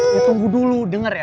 ya tunggu dulu denger ya